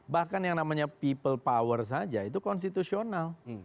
bahkan yang namanya people power saja itu konstitusional